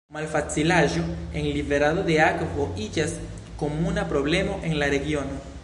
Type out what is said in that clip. Malfacilaĵoj en liverado de akvo iĝas komuna problemo en la regiono.